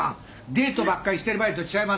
デートばっかりしてる場合とちゃいまっせ。